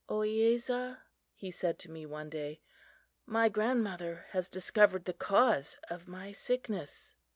"Ohiyesa," he said to me one day, "my grandmother has discovered the cause of my sickness."